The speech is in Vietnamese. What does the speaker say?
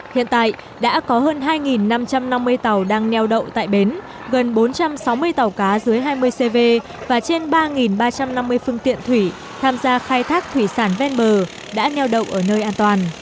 hiện tại đã có hơn hai năm trăm năm mươi tàu đang neo đậu tại bến gần bốn trăm sáu mươi tàu cá dưới hai mươi cv và trên ba ba trăm năm mươi phương tiện thủy tham gia khai thác thủy sản ven bờ đã neo đậu ở nơi an toàn